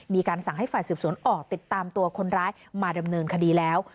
มีการสั่งให้ฝ่ายสืบสวนออกติดตามตัวคนร้ายมาดำเนินคดีแล้ว